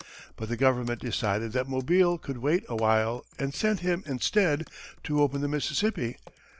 But the government decided that Mobile could wait a while, and sent him, instead, to open the Mississippi.